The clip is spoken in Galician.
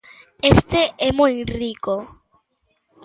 Este é moi rico.